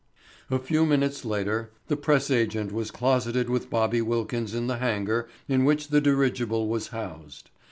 A few minutes later the press agent was closeted with Bobby Wilkins in the hangar in which the dirigible was housed.